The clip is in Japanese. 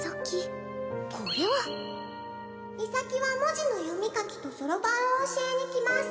これは「ミサキは文字の読み書きとそろばんを教えに来ます」